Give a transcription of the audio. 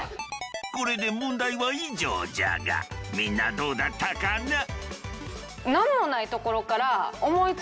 これで問題は以上じゃがみんなどうだったかな？